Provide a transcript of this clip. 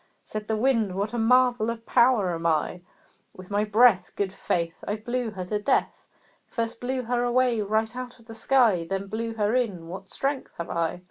Said the Wind "What a marvel of power am I! With my breath, Good faith! I blew her to death First blew her away right out of the sky Then blew her in; what strength have I!"